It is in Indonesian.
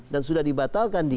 dan sudah dibatalkan dia